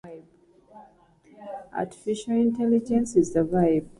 The wider peninsula has many more parks in close proximity, particularly along the foreshores.